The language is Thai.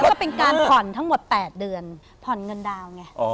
ก็เป็นการผ่อนทั้งหมด๘เดือนผ่อนเงินดาวไง